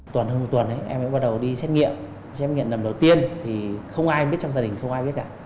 tuần hơn một tuần em mới bắt đầu đi xét nghiệm xét nghiệm lần đầu tiên thì không ai biết trong gia đình không ai biết ạ